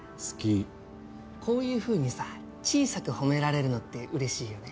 こういう風にさ小さく褒められるのって嬉しいよね。